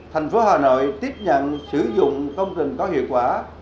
thành phố hà nội tiếp nhận sử dụng công trình có hiệu quả